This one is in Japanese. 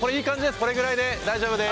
これぐらいで大丈夫です。